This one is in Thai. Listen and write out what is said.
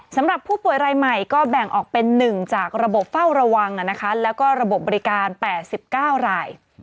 สำหรับผู้ป่วยรายใหม่ก็แบ่งออกเป็น๑จากระบบเฝ้าระวังแล้วก็ระบบบบริการ๘๙ราย